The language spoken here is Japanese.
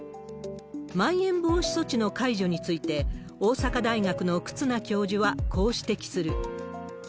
まん延防止措置の解除について、大阪大学の忽那教授はこう指摘する。